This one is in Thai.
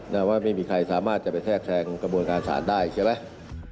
ว่าไม่มีใครสามารถจะไปแทรกแทรงกระบวนการศาลได้ใช่ไหม